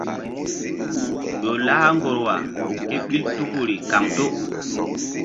Ƴo lah ŋgorwa kéɓil tukuri kaŋto.